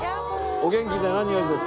お元気で何よりです。